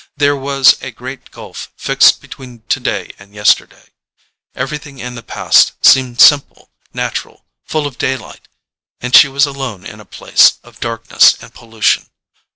There was a great gulf fixed between today and yesterday. Everything in the past seemed simple, natural, full of daylight—and she was alone in a place of darkness and pollution.